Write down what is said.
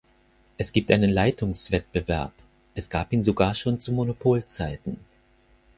Es gibt einen Leitungswettbewerb, es gab ihn sogar schon zu Monopolzeiten.